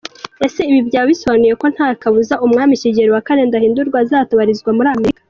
Ese ibi byaba bisobanuye ko nta kabuza umwami Kigeli V Ndahindurwa azatabarizwa muri Amerika ?